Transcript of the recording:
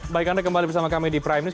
baik anda kembali bersama kami di prime news